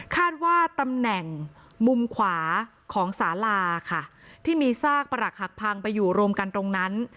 คาดว่าตำแหน่งมุมขวาของสาลาค่ะที่มีซากประหลักหักพังไปอยู่รวมกันตรงนั้น